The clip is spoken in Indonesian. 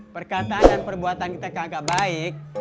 perkataan dan perbuatan kita kagak baik